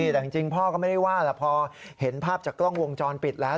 แต่จริงพ่อก็ไม่ได้ว่าแหละพอเห็นภาพจากกล้องวงจรปิดแล้ว